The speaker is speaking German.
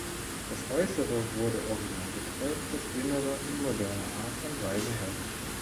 Das Äußere wurde originalgetreu, das Innere in moderner Art und Weise hergerichtet.